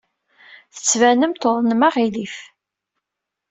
Tettbanem-d tuḍnem aɣilif.